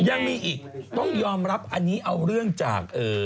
ยังมีอีกต้องยอมรับอันนี้เอาเรื่องจาก